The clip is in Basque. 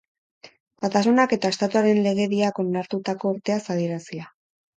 Batasunak eta Estatuaren legediak onartutako urteaz adierazia.